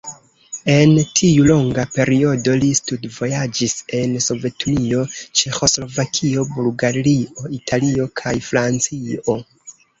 En tiu longa periodo li studvojaĝis en Sovetunio, Ĉeĥoslovakio, Bulgario, Italio kaj Francio.